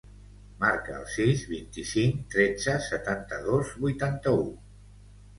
Marca el sis, vint-i-cinc, tretze, setanta-dos, vuitanta-u.